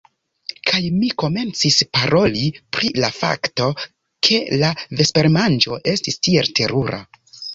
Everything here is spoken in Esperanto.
Kaj mi komencis paroli pri la fakto, ke la vespermanĝo estis tiel terura.